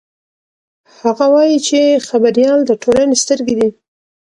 هغه وایي چې خبریال د ټولنې سترګې دي.